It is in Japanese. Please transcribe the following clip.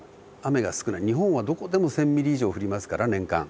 日本はどこでも１，０００ミリ以上降りますから年間。